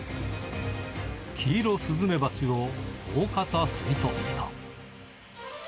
キイロスズメバチを大方吸い取った。